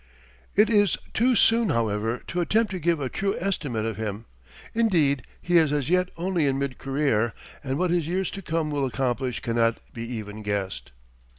It is too soon, however, to attempt to give a true estimate of him. Indeed, he is as yet only in mid career; and what his years to come will accomplish cannot be even guessed.